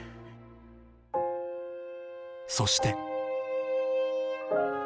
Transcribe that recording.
［そして］